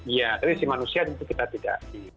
iya tapi sisi manusia itu kita tidak